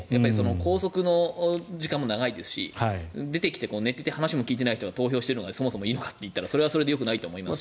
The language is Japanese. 拘束の時間も長いですし出てきて、寝ていて話も聞いていない人が投票している人がそもそもいいのかというとそれはそれでよくないと思いますし。